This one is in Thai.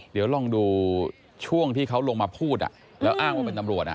เดี๋ยวลองดูช่วงที่เขาลงมาพูดแล้วอ้างว่าเป็นตำรวจ